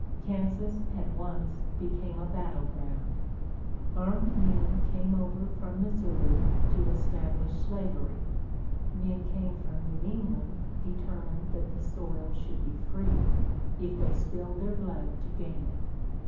Kansas at once became a battle ground. Armed men came over from Missouri to establish slavery. Men came from New England determined that the soil should be free, if they spilled their blood to gain it.